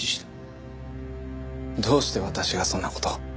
どうして私がそんな事を？